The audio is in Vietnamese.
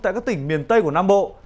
tại các tỉnh miền tây của nam bộ